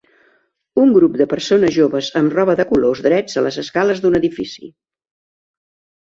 Un grup de persones joves amb roba de colors drets a les escales d'un edifici.